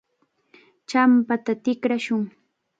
Champata tikrashun.